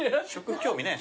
興味ないの？